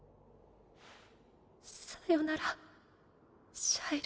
さよならシャイロ。